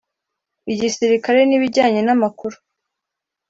igisirikare n’ibijyanye n’amakuru